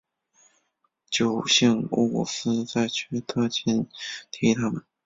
九姓乌古斯在阙特勤碑提及他们。